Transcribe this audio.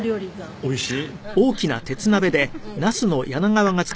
おいしい？